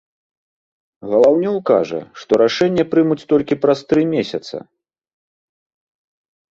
Галаўнёў кажа, што рашэнне прымуць толькі праз тры месяца.